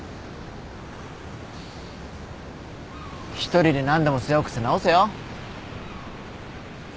１人で何でも背負う癖直せよ。